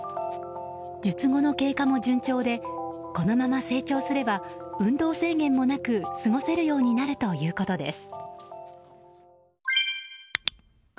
術後の経過も順調でこのまま成長すれば運動制限もなく過ごせるようになるということです。